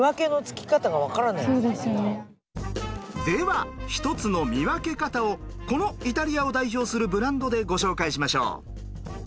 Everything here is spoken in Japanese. では一つの見分け方をこのイタリアを代表するブランドでご紹介しましょう。